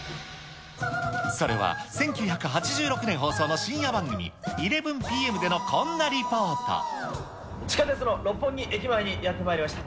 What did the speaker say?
それは１９８６年放送の深夜番組、地下鉄の六本木駅前にやってまいりました。